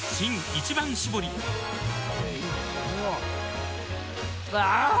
「一番搾り」あぁー！